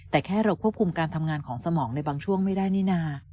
แต่แค่เราควบคุมการทำงานของสมองในบางช่วงไม่ได้นี่นะ